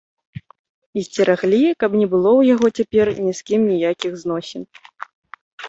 І сцераглі, каб не было ў яго цяпер ні з кім ніякіх зносін.